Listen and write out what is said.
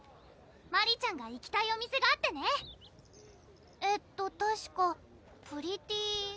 マリちゃんが行きたいお店があってねえっとたしかＰｒｅｔｔｙＨｏｌｉｃ！